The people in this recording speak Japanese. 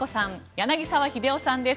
柳澤秀夫さんです。